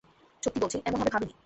সত্যি বলছি, এমন হবে ভাবিনি।